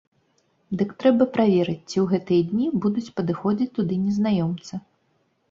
Дык трэба праверыць, ці ў гэтыя дні будуць падыходзіць туды незнаёмцы.